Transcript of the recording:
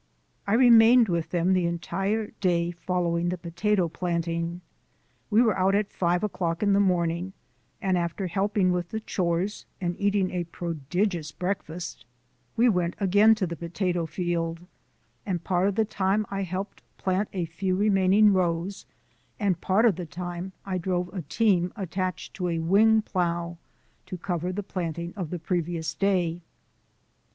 I remained with them the entire day following the potato planting. We were out at five o'clock in the morning, and after helping with the chores, and eating a prodigious breakfast, we went again to the potato field, and part of the time I helped plant a few remaining rows, and part of the time I drove a team attached to a wing plow to cover the planting of the previous day.